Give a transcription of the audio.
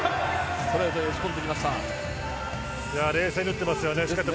ストレートへ打ち込んできました。